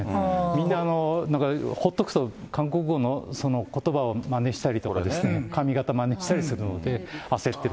みんなほっとくと韓国語のことばをまねしたりとかですね、髪形まねしたりするので、あせってると。